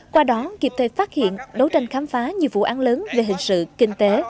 qua đó kịp thời phát hiện đấu tranh khám phá nhiều vụ án lớn về hình sự kinh tế